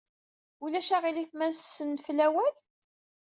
Ulac aɣilif ma nessenfel awal?